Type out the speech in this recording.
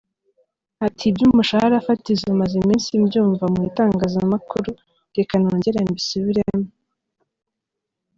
Ati” Iby’umushahara fatizo maze iminsi mbyumva mu itangazamakuru, reka nongere mbisubiremo.